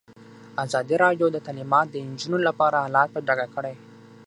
ازادي راډیو د تعلیمات د نجونو لپاره حالت په ډاګه کړی.